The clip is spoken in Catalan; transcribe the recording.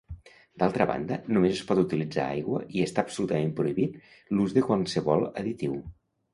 D'altra banda només es pot utilitzar aigua i està absolutament prohibit l'ús de qualsevol additiu.